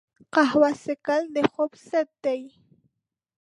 قهوه څښل د خوب ضد ده